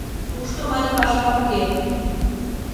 — Тушто мыйын пашам уке.